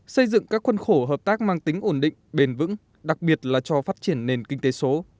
xây dựng các khuân khổ hợp tác mang tính ổn định bền vững đặc biệt là cho phát triển nền kinh tế số